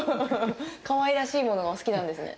かわいいらしいものがお好きなんですね。